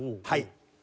はい。